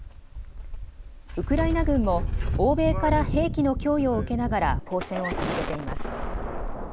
ウクライナ軍も欧米から兵器の供与を受けながら抗戦を続けています。